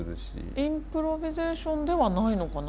インプロビゼーションではないのかな？